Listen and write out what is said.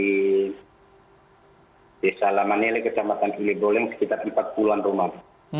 hai desa lamanele kecamatan kileboleung sekitar empat puluh an rumah